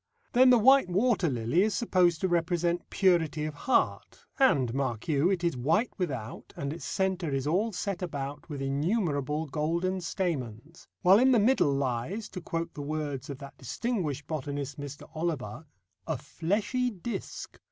Then the white water lily is supposed to represent purity of heart, and, mark you, it is white without and its centre is all set about with innumerable golden stamens, while in the middle lies, to quote the words of that distinguished botanist, Mr. Oliver, "a fleshy disc."